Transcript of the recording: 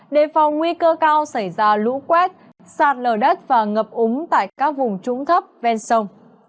đề phòng nguy cơ cao xảy ra lũ quét sạt lở đất và ngập úng tại các vùng trũng thấp ven sông